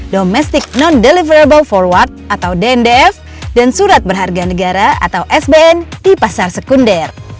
domestic non deliverable forward atau dndf dan surat berharga negara atau sbn di pasar sekunder